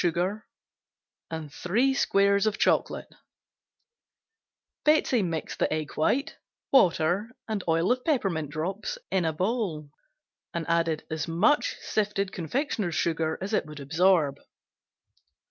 Chocolate, 3 squares Betsey mixed the egg white, water and oil of peppermint drops in a bowl and added as much sifted confectioner's sugar as it would absorb.